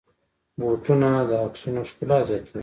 بوټونه د عکسونو ښکلا زیاتوي.